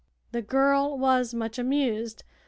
The girl was much amused.